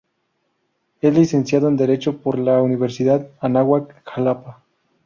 Es licenciado en Derecho por la Universidad Anáhuac-Xalapa.